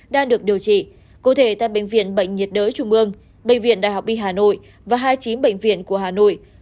đang được điều trị cụ thể tại bệnh viện bệnh nhiệt đới trung ương bệnh viện đại học y hà nội và hai mươi chín bệnh viện của hà nội